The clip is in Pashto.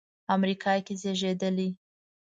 امریکا کې زېږېدلی.